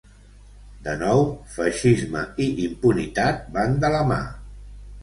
De nou feixisme i impunitat van de la mà.